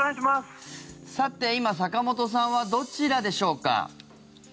今、坂本さんはどちらでしょうか？